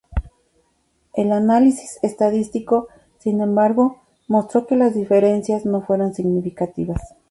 El análisis estadístico, sin embargo, mostró que las diferencias no fueron significativas.